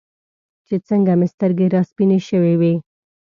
چې څنګه مې سترګې راسپینې شوې وې.